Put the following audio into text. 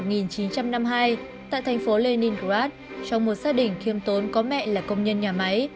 tại thành phố leningrad trong một gia đình khiêm tốn có mẹ là công nhân nhà máy